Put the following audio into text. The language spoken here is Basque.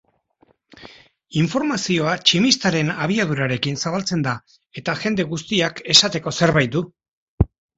Informazioa tximistaren abiadurarekin zabaltzen da eta jende guztiak esateko zerbait du.